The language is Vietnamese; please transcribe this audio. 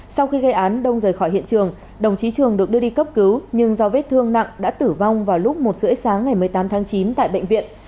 sau khi gây án đông rời khỏi hiện trường đồng chí trường được đưa đi cấp cứu nhưng do vết thương nặng đã tử vong vào lúc một h ba mươi sáng ngày một mươi tám tháng chín tại bệnh viện